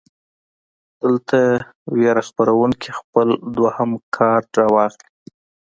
دلته وېره خوروونکے خپل دويم کارډ راواخلي -